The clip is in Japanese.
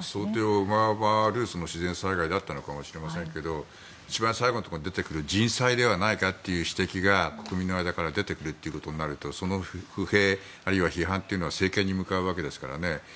想定を上回る自然災害だったのかもしれませんが一番最後のところに出てくる人災ではないかという指摘が国民の間から出てくるということになるとその不平、あるいは批判は政権に向かうわけですからね。